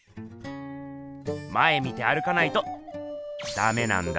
前見て歩かないとダメなんだぜっ！